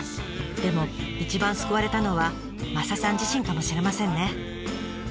でも一番救われたのはマサさん自身かもしれませんね。